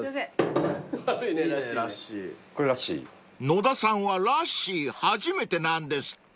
［野田さんはラッシー初めてなんですって］